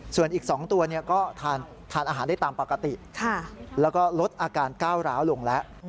ส่วนอีก๒ตัวก็ทานอาหารได้ตามปกติแล้วก็ลดอาการก้าวร้าวลงแล้ว